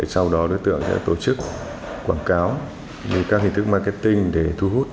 sau đó đối tượng sẽ tổ chức quảng cáo về các hình thức marketing để thu hút